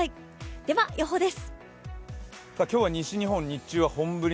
では、予報です。